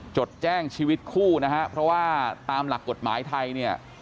จดแจ้งชีวิตคู่นะฮะเพราะว่าตามหลักกฎหมายไทยเนี่ย